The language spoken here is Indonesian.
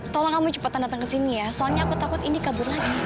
tolong kamu cepetan datang ke sini ya soalnya aku takut ini kabur lagi